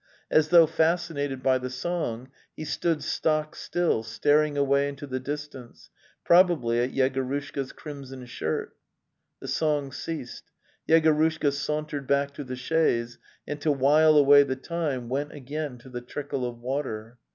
As though fascinated by the song, he stood stock still, staring away into the distance, ' probably at Yegorushka's crimson shirt. The song ceased. Yegorushka sauntered back to the chaise, and to while away the time went again to the trickle of water.